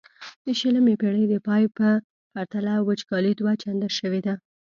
د شلمې پیړۍ د پای په پرتله وچکالي دوه چنده شوې ده.